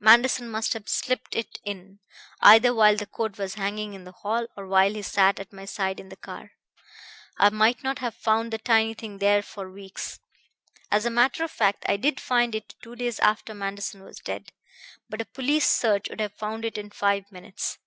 Manderson must have slipped it in, either while the coat was hanging in the hall or while he sat at my side in the car. I might not have found the tiny thing there for weeks as a matter of fact I did find it two days after Manderson was dead but a police search would have found it in five minutes.